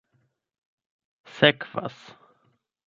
sekvas